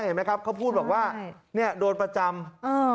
เห็นไหมครับเขาพูดบอกว่าเนี่ยโดนประจำเออ